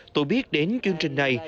tôi biết đến chương trình này